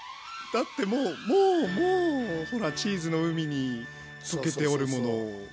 だってもうもうもうほらチーズの海に溶けておるもの。